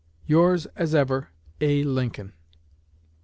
Yours as ever, A. LINCOLN.